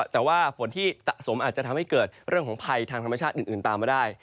แต่ว่าฝนที่สะสมอาจจะทำให้เกิดเรื่องของภัยทางธรรมชาติอื่นตามมาได้